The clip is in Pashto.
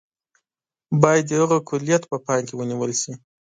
باید د هغه کُلیت په پام کې ونیول شي.